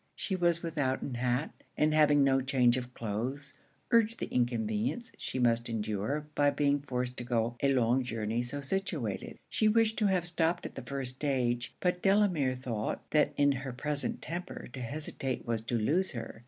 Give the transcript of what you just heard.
She was without an hat; and having no change of cloaths, urged the inconvenience she must endure by being forced to go a long journey so situated. She wished to have stopped at the first stage; but Delamere thought, that in her present temper to hesitate was to lose her.